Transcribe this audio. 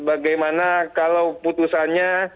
bagaimana kalau putusannya